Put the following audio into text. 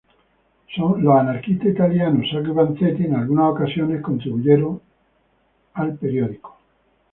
Los anarquistas italianos Sacco y Vanzetti en algunas ocasiones contribuyeron con el periódico.